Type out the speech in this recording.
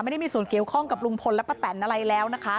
ไม่ได้มีส่วนเกี่ยวข้องกับลุงพลและป้าแตนอะไรแล้วนะคะ